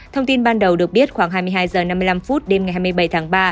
thông tin ban đầu được biết khoảng hai mươi hai h năm mươi năm đêm ngày hai mươi bảy tháng ba